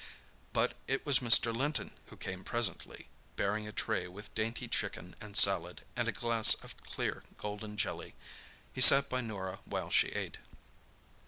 But it was Mr. Linton who came presently, bearing a tray with dainty chicken and salad, and a glass of clear golden jelly. He sat by Norah while she ate.